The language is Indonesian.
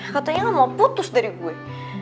katanya mau putus dari gue